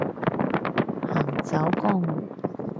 行走江湖